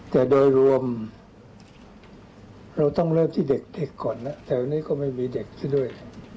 แต่โดยรวมเราต้องเริ่มที่เด็กก่อนนะแถวนี้ก็ไม่มีเด็กซะด้วย